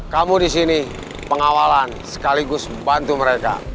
kamu disini pengawalan sekaligus bantu mereka